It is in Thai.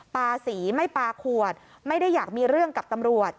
สีไม่ปลาขวดไม่ได้อยากมีเรื่องกับตำรวจ